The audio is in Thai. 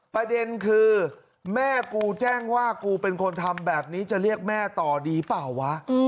ประเด็นคือแม่กูแจ้งว่ากูเป็นคนทำแบบนี้จะเรียกแม่ต่อดีเปล่าวะ